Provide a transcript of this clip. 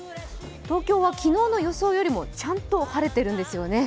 東京は昨日の予想よりもちゃんと晴れてるんですよね。